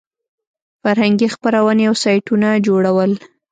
فرهنګي خپرونې او سایټونه جوړول.